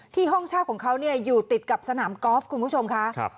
ที่ห้องเช่าของเขาเนี่ยอยู่ติดกับสนามกอล์ฟคุณผู้ชมค่ะครับ